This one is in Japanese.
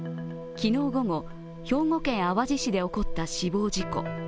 昨日午後、兵庫県淡路市で起こった死亡事故。